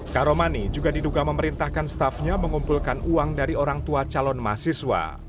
karomani juga diduga memerintahkan staffnya mengumpulkan uang dari orang tua calon mahasiswa